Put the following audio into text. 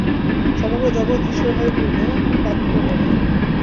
সমগ্র জগৎ ঈশ্বরভাবে পূর্ণ, পাপে পূর্ণ নয়।